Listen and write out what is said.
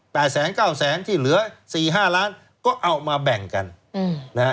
แสนเก้าแสนที่เหลือสี่ห้าล้านก็เอามาแบ่งกันอืมนะฮะ